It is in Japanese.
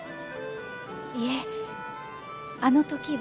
いえあの時は。